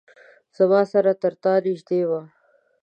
زما سره ترتا نیژدې وه